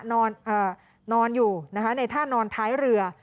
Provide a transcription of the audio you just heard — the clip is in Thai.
นอนอยู่ในท่านอนท้ายเรือ